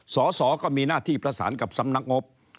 สสก็มีหน้าที่ประสานกับสำนักงบ